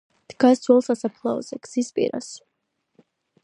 დგას ძველ სასაფლაოზე, გზის პირას.